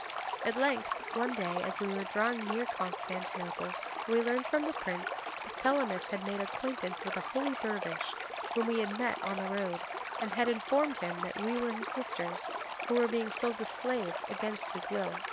At length, one day as we were drawing near Constantinople, we learned from the prince that Thelamis had made acquaintance with a holy dervish whom he had met on the road, and had informed him that we were his sisters, who were being sold as slaves against his will.